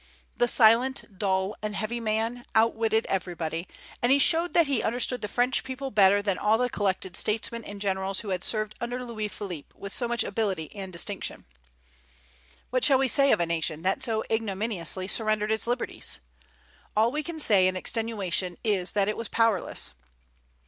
The silent, dull, and heavy man had outwitted everybody; and he showed that he understood the French people better than all the collected statesmen and generals who had served under Louis Philippe with so much ability and distinction. What shall we say of a nation that so ignominiously surrendered its liberties? All we can say in extenuation is that it was powerless.